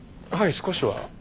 はい少しは。